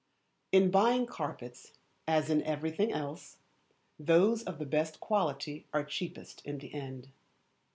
In buying carpets, as in everything else, those of the best quality are cheapest in the end.